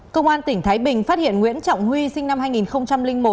công an tỉnh thái bình phát hiện nguyễn trọng huy sinh năm hai nghìn một